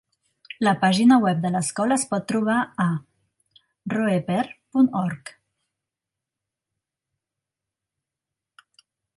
La pàgina web de l'escola es pot trobar a: roeper punt org.